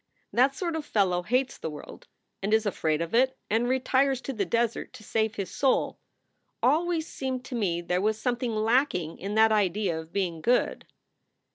That sort of fellow hates the world and is afraid of it and retires to the desert to save his soul. Always seemed to me there was something lacking in that idea of being good.